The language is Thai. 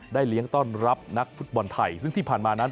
เลี้ยงต้อนรับนักฟุตบอลไทยซึ่งที่ผ่านมานั้น